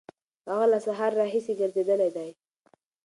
هغه له سهاره راهیسې ګرځېدلی دی.